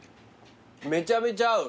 めちゃめちゃ合う。